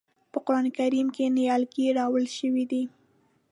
په قرآن کریم کې نیالګی راوړل شوی دی.